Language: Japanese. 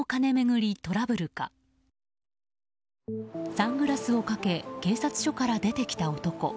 サングラスをかけ警察署から出てきた男。